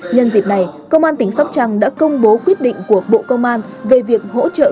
nhân dịp này công an tỉnh sóc trăng đã công bố quyết định của bộ công an về việc hỗ trợ